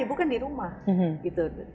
ibu kan di rumah gitu